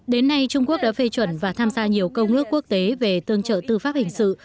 đến nay trung quốc đã phê chuẩn và tham gia nhiều công ước quốc tế về tương trợ tư pháp hình sự